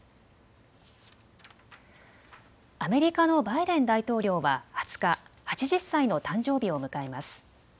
アメリカのバイデン大統領は２０日、８０歳の誕生日を迎えます。